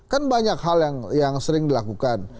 kan banyak hal yang sering dilakukan